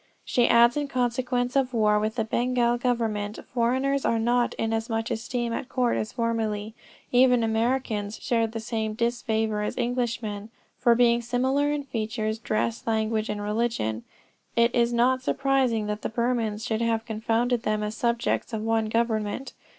She adds that in consequence of war with the Bengal government, foreigners are not in as much esteem at court as formerly even Americans shared the same disfavor as Englishmen, for being similar in features, dress, language and religion, it is not surprising that the Burmans should have confounded them as subjects of one government.